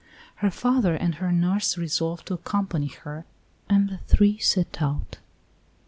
Her father and her nurse resolved to accompany her, and the three set out.